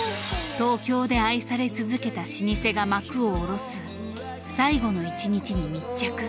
東京で愛され続けた老舗が幕を下ろす最後の１日に密着。